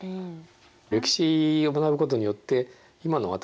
歴史を学ぶことによって今のそうですね。